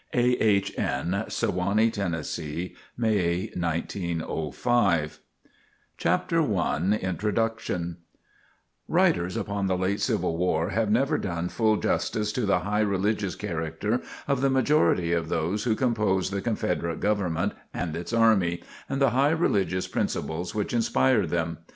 Bishop Quintard and Sewanee 164 CHAPTER I INTRODUCTION Writers upon the late Civil War have never done full justice to the high religious character of the majority of those who composed the Confederate government and its army, and the high religious principles which inspired them.